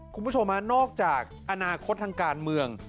คุณผู้ชมฮะนอกจากอนาคตทางการเมือง